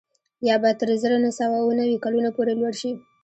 یا به تر زر نه سوه اووه نوي کلونو پورې لوړ شي